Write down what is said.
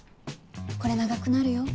これ長くなるよ。